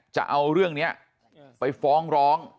จะเอาเรื่องนี้ไปฟ้องร้อง